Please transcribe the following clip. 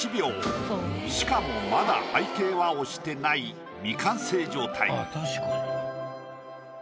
しかもまだ背景は押してない未完成状態。